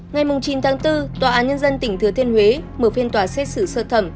ngày chín tháng bốn tòa án nhân dân tỉnh thừa thiên huế mở phiên tòa xét xử sơ thẩm